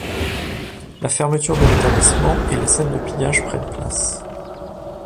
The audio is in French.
La fermeture de l'établissement et les scènes de pillage prennent place.